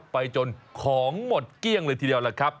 ไปจนของหมดเกลี้ยงเลยทีเดียวล่ะครับ